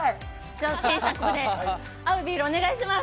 じゃあ、店員さん、ここで合うビールお願いします。